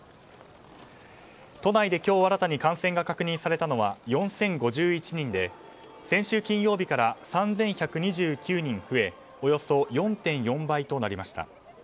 都内で今日新たに感染が確認されたのは４０５１人で先週金曜日から３１２９人増えおよそ４．４倍となりました。